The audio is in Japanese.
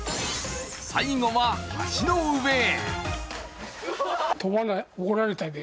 最後は橋の上へ。